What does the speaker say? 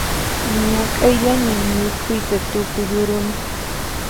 Ñak'ayllaña mikhuyta tukuyuruni